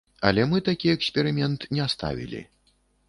Але мы такі эксперымент не ставілі.